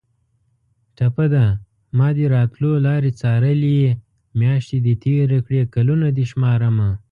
ټپه ده: مادې راتلو لارې څارلې میاشتې دې تېرې کړې کلونه دې شمارمه